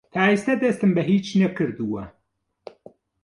تا ئێستا دەستم بە هیچ نەکردووە.